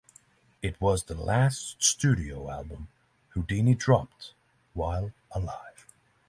It was the last studio album Houdini dropped while alive.